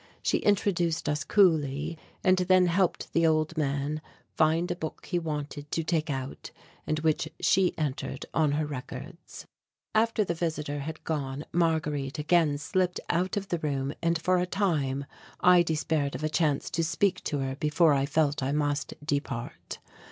She introduced us coolly and then helped the old man find a book he wanted to take out, and which she entered on her records. After the visitor had gone Marguerite again slipped out of the room and for a time I despaired of a chance to speak to her before I felt I must depart.